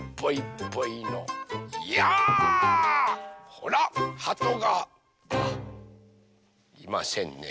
ほらはとがいませんね。